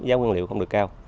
giá nguyên liệu không được cao